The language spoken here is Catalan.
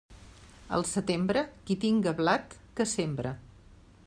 Al setembre, qui tinga blat, que sembre.